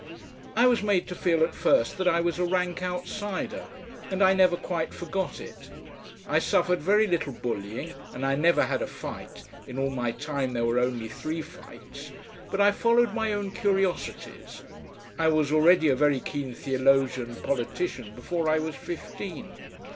I was made to feel at first that I was a rank outsider, and I never quite forgot it. I suffered very little bullying, and I never had a fight in all my time there were only three fights but I followed my own curiosities. I was already a very keen theologian and politician before I was fifteen.